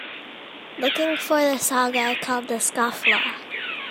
Looking for the saga called The Scofflaw